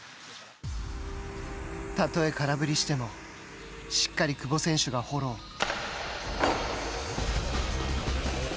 例え、空振りしてもしっかり久保選手がフォロー！